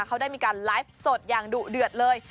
เขาได้มีการไลฟ์สดอย่างดุเดือดเลย